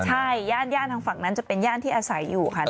ใช่ย่านทางฝั่งนั้นจะเป็นย่านที่อาศัยอยู่ค่ะ